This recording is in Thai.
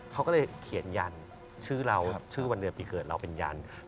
เขาก็เลยเขียนยันชื่อเราชื่อวันเดือนปีเกิดเราเป็นยัน